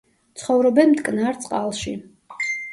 ცხოვრობენ მტკნარ წყალში.